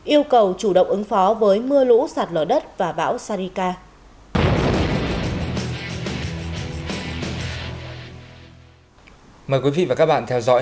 yêu cầu chủ động ứng phó với mưa lũ sạt lở đất và bão sarika